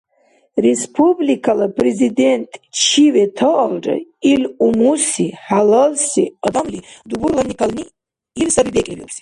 Республикала Президент чи ветаалра, ил умуси, хӀялалси адамли-дубурланни кални — ил саби бекӀлибиубси.